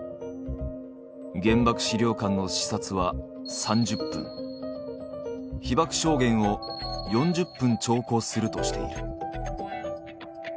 原爆資料館の視察は３０分被爆証言を４０分聴講するとしている。